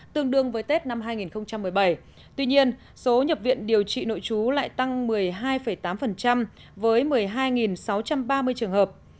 tương đương với tết năm hai nghìn một mươi bảy tuy nhiên số nhập viện điều trị nội trú lại tăng một mươi hai tám với một mươi hai sáu trăm ba mươi trường hợp